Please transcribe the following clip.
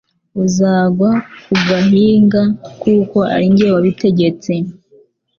Uzagwa ku gahinga kuko ari jye wabitegetse